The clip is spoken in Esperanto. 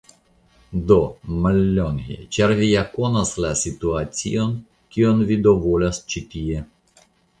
Do, mallonge, ĉar vi ja konas la situacion, kion vi do volas ĉi tie?